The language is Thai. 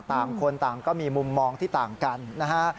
ต่างคนต่างก็มีมุมมองที่ต่างกันนะฮะ